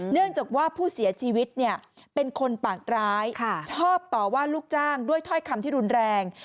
เนื่องจากว่าผู้เสียชีวิตเป็นคนปากร้ายชอบต่อว่าลูกจ้างด้วยถ้อยคำที่รุนแรง